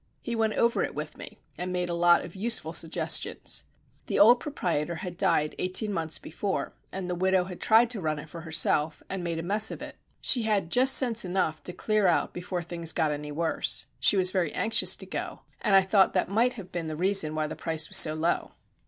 He went over it with me and made a lot of useful suggestions. The old proprietor had died eighteen months before, and the widow had tried to run it for herself and made a mess of it. She had just sense enough to clear out before things got any worse. She was very anxious to go, and I thought that might have been the reason why the price was so low.